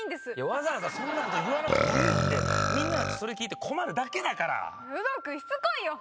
わざわざそんなこと言わなくていいってみんなだってそれ聞いて困るだけだからウドウ君しつこいよ！